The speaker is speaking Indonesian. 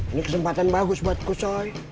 ini kesempatan bagus buat kusoi